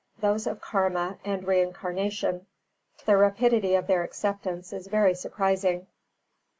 Those of Karma and Reincarnation. The rapidity of their acceptance is very surprising.